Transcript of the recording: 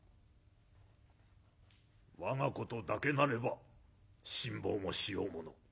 「我がことだけなれば辛抱もしようもの。